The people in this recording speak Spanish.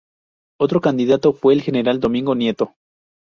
Otro candidato fue el general Domingo Nieto.